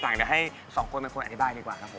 จะให้สองคนอธิบายดีกว่า